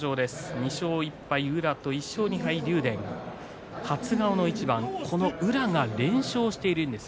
２勝１敗宇良と１勝２敗竜電、初顔の一番宇良が連勝しているんです。